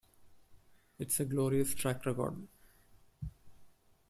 It's a glorious track record.